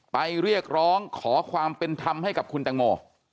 เรียกร้องขอความเป็นธรรมให้กับคุณแตงโม